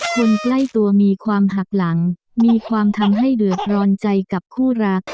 คนใกล้ตัวมีความหักหลังมีความทำให้เดือดร้อนใจกับคู่รัก